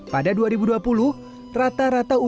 pada dua ribu dua puluh rata rata upah pekerja di bidang pertanian